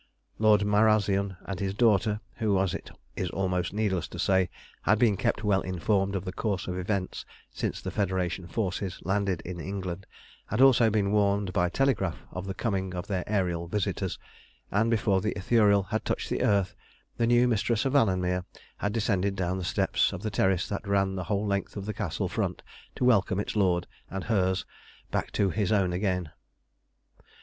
Lord Marazion and his daughter, who, as it is almost needless to say, had been kept well informed of the course of events since the Federation forces landed in England, had also been warned by telegraph of the coming of their aërial visitors, and before the Ithuriel had touched the earth, the new mistress of Alanmere had descended the steps of the terrace that ran the whole length of the Castle front to welcome its lord and hers back to his own again.